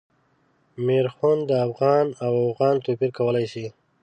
میرخوند د افغان او اوغان توپیر کولای شي.